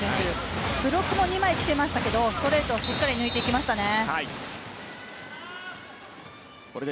ブロックも２枚来ていましたがストレートをしっかり決めていきましたね。